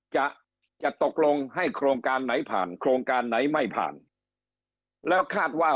จะจะตกลงให้โครงการไหนผ่านโครงการไหนไม่ผ่านแล้วคาดว่า